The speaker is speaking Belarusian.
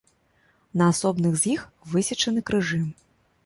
На асобных з іх высечаны крыжы.